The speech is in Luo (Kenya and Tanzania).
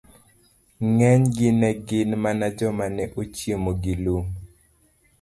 ng'enygi ne gin mana joma ne chiemo gi lum.